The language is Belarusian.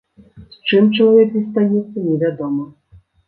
З чым чалавек застанецца, невядома.